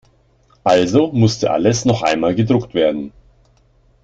Also musste alles noch einmal gedruckt werden.